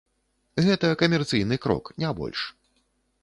Гэта камерцыйны крок, не больш.